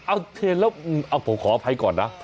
โอเคแล้วผมขออภัยก่อนนะ